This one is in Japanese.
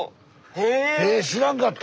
え知らんかった！